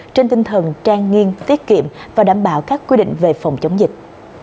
trên tinh thần trang nghiêm tiết kiệm và đảm bảo các quy định về phòng chống dịch